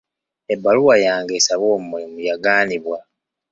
Ebbaluwa yange esaba omulimu yagaanibwa.